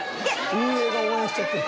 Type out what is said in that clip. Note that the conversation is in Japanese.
運営が応援しちゃってる。